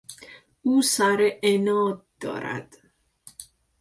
او سر عناد دارد.